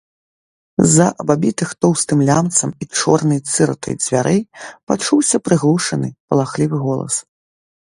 З-за абабітых тоўстым лямцам і чорнай цыратай дзвярэй пачуўся прыглушаны, палахлівы голас.